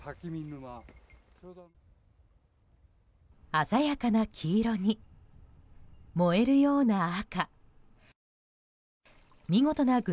鮮やかな黄色に燃えるような赤。